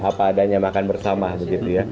apa adanya makan bersama begitu ya